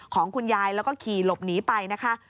ของคุณยายแล้วก็ขี่หลบหนีไปนะคะ